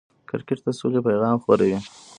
کرکټ د سولې پیغام خپروي.